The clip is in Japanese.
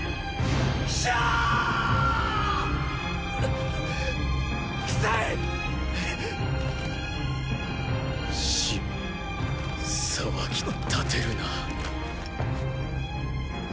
信騒ぎ立てるな。